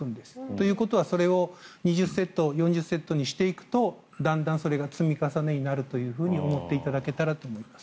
ということは、それを２０セット４０セットにしていくとだんだんそれが積み重ねになると思っていただけたらと思います。